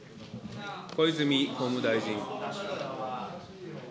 小泉法務大臣。